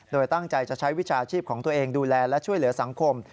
โดยตั้งใจจะใช้วิชาชีพของตัวเองดูแลและช่วยเหลือสังคม